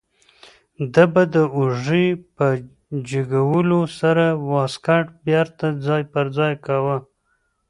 ده به د اوږې په جګولو سره واسکټ بیرته ځای پر ځای کاوه.